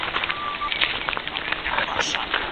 زده کوونکي هغه درس یادوي چې ګټور و.